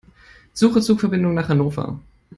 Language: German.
Suche Zugverbindungen nach Hannover.